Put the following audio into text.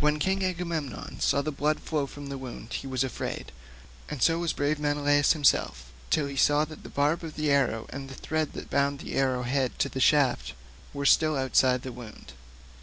When King Agamemnon saw the blood flowing from the wound he was afraid, and so was brave Menelaus himself till he saw that the barbs of the arrow and the thread that bound the arrow head to the shaft were still outside the wound.